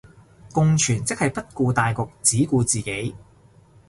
共存即係不顧大局只顧自己